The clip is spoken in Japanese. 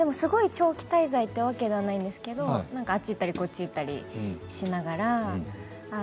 長期滞在というわけではありませんけれどあっち行ったりこっち行ったりしながら。